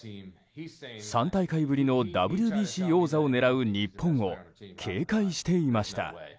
３大会ぶりのＷＢＣ王座を狙う日本を警戒していました。